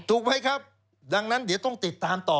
ถูกไหมครับดังนั้นเดี๋ยวต้องติดตามต่อ